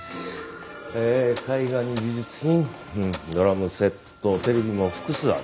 えー絵画に美術品ドラムセットテレビも複数ある。